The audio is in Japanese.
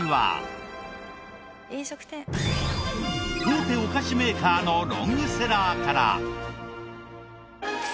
大手お菓子メーカーのロングセラーから。